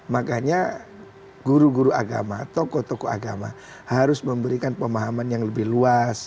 makanya guru guru agama tokoh tokoh agama harus memberikan pemahaman yang lebih luas